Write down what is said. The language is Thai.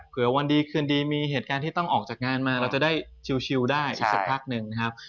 วันดีคืนดีมีเหตุการณ์ที่ต้องออกจากงานมาเราจะได้ชิวได้อีกสักพักหนึ่งนะครับ